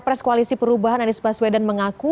pres koalisi perubahan anies baswedan mengaku